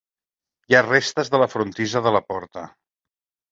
Hi ha restes de la frontissa de la porta.